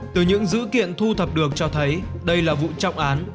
từ những dữ kiện thu thập được cho thấy đây là vụ trọng án